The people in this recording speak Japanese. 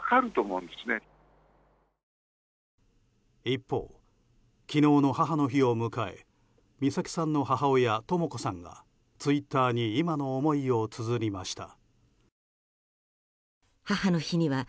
一方、昨日の母の日を迎え美咲さんの母親とも子さんがツイッターに今の思いをつづりました。